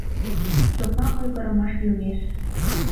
Чока ойгырымаш йомеш…